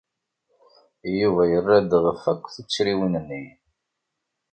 Yuba yerra-d ɣef akk tuttriwin-nni.